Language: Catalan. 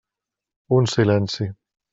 Un silenci.